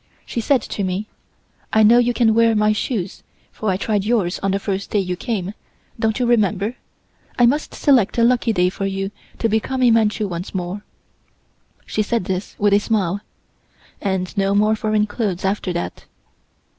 She said to me: "I know you can wear my shoes, for I tried yours on the first day you came, don't you remember? I must select a lucky day for you to become a Manchu once more," she said this with a smile, "and no more foreign clothes after that."